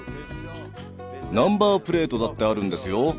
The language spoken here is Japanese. ナンバープレートだってあるんですよ。